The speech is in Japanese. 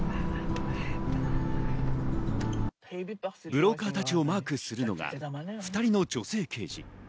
ブローカーたちをマークするのは、２人の女性刑事。